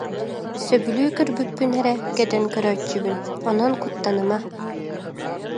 Сөбүлүү көрбүппүн эрэ кэтэн көрөөччүбүн, онон куттаныма